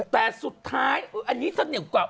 แต่สุดท้ายอันนี้สะเหนียวกว่า